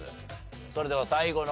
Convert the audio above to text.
それでは最後の答え